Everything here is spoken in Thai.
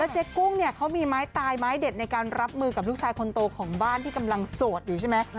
เจ๊กุ้งเนี่ยเขามีไม้ตายไม้เด็ดในการรับมือกับลูกชายคนโตของบ้านที่กำลังโสดอยู่ใช่ไหม